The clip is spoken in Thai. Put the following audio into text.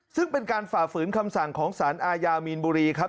ซึ่งเป็นการฝ่าฝืนคำสั่งของสารอาญามีนบุรีครับ